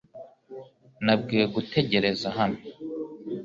Nabwiwe gutegereza hano .